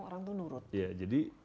orang itu nurut iya jadi